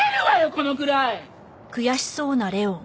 このくらい。